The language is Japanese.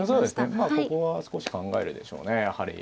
まあここは少し考えるでしょうねやはり。